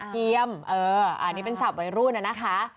เกียมอันนี้เป็นศัพท์วัยรุ่นน่ะนะคะ